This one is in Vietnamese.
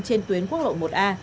trên tuyến quốc lộ một a